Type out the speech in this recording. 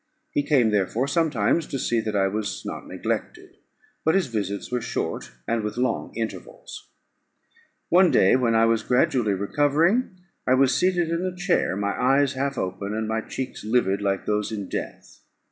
He came, therefore, sometimes, to see that I was not neglected; but his visits were short, and with long intervals. One day, while I was gradually recovering, I was seated in a chair, my eyes half open, and my cheeks livid like those in death.